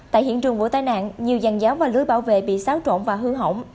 tại hiện trường vụ tai nạn nhiều giàn giáo và lưới bảo vệ bị xáo trộn và hư hỏng